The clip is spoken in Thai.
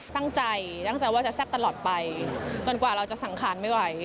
ตั้งใจตั้งใจว่าจะแซ่บตลอดไปจนกว่าเราจะสังขารไม่ไหว